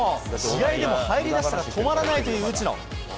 試合でも入りだしたら止まらないという内野。